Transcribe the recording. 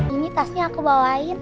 ini tasnya aku bawain